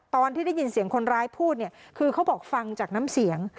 ตอนที่ได้ยินเสียงคนร้ายพูดเนี่ยคือเขาบอกฟังจากน้ำเสียง